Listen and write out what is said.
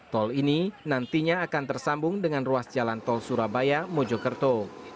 tol ini nantinya akan tersambung dengan ruas jalan tol surabaya mojokerto